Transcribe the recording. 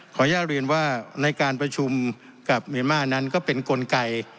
อนุญาตเรียนว่าในการประชุมกับเมียมานั้นก็เป็นกลไก